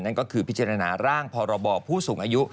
นั่นก็คือพิจารณาร่างพรบผู้สูงอายุ